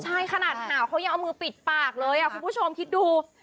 ใช่ขนาดหาวเขายังเอามือปิดปากเลยคุณผู้ชมคิดดู